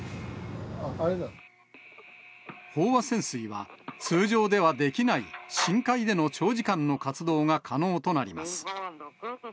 飽和潜水は、通常ではできない、深海での長時間の活動が可能となります。